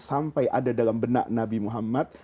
sampai ada dalam benak nabi muhammad